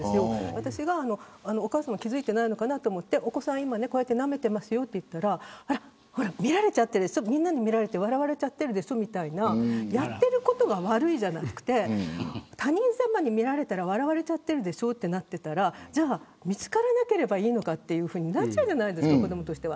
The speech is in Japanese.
私がお母さん気付いてないのかなと思ってお子さん今なめていますよと言ったらみんなに見られて笑われちゃってるでしょみたいなやってることが悪いじゃなくて他人さまに見られたら笑われちゃってるでしょうとなっていたら見つからなければいいのかとなっちゃうじゃないですか子どもとしては。